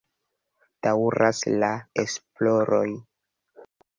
Daŭras la esploroj.